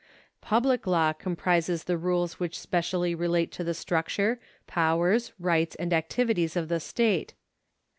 PubUc law comprises the rules which specially relate to the structure, powers, rights, and activities of the state.